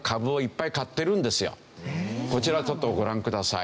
こちらちょっとご覧ください。